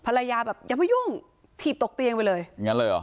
ภรรยาแบบยังไม่ยุ่งถีบตกเตียงไปเลยอย่างนั้นเลยเหรอ